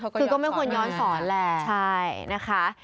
คือก็ไม่ควรย้อนสอนแหละใช่นะคะ